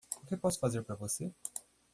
O que posso fazer para você?